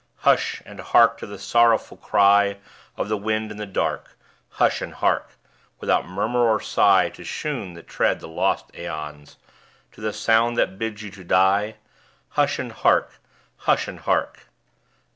"Hush! And hark To the sorrowful cry Of the wind in the dark. Hush and hark, without murmur or sigh, To shoon that tread the lost aeons: To the sound that bids you to die. Hush and hark! Hush and Hark!"